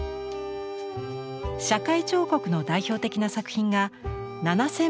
社会彫刻の代表的な作品が「７０００本の樫の木」。